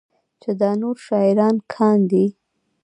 چې دا نور شاعران کاندي